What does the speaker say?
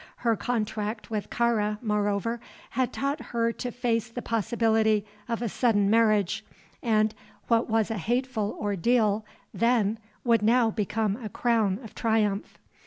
Her contract with Kāra, moreover, had taught her to face the possibility of a sudden marriage, and what was a hateful ordeal then would now become a crown of triumph.